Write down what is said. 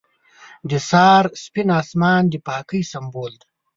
• د سهار سپین آسمان د پاکۍ سمبول دی.